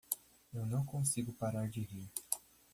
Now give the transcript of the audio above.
Eu não consigo parar de rir.